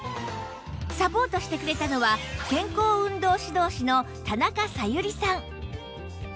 サポートしてくれたのは健康運動指導士の田中咲百合さん